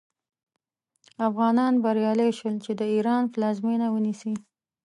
افغانان بریالي شول چې د ایران پلازمینه ونیسي.